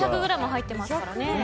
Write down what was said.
２００ｇ入ってますからね。